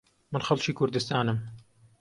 من خەڵکی کوردستانم.